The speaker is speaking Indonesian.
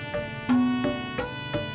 tidak ada yang bisa diberikan